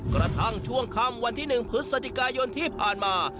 กระทั่งช่วงค่ำวันที่๑พฤศจิกายนที่ผ่านมา